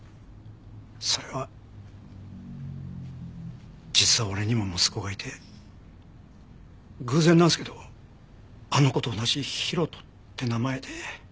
それは実は俺にも息子がいて偶然なんすけどあの子と同じ大翔って名前で。